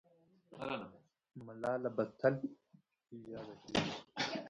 ملاله به تل یاده کېږي.